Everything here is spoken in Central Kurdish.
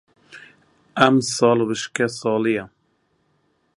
ئەم ساڵ وشکە ساڵییە.